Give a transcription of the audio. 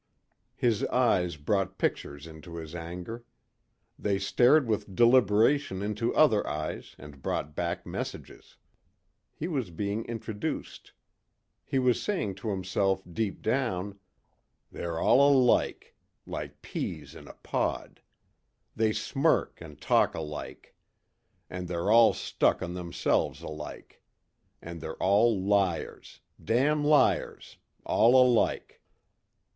His eyes brought pictures into his anger. They stared with deliberation into other eyes and brought back messages. He was being introduced. He was saying to himself deep down, "They're all alike. Like peas in a pod. They smirk and talk alike. And they're all stuck on themselves alike. And they're all liars damn liars, all alike."